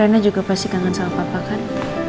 karena juga pasti kangen sama papa kan